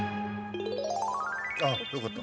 あっよかった。